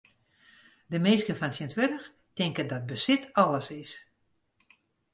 De minsken fan tsjintwurdich tinke dat besit alles is.